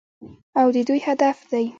او د دوی هدف دی.